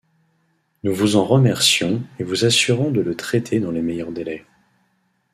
Nous vous en remercions et vous assurons de le traiter dans les meilleurs délais.